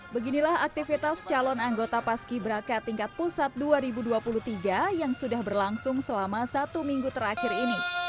beginilah aktivitas calon anggota paski braka tingkat pusat dua ribu dua puluh tiga yang sudah berlangsung selama satu minggu terakhir ini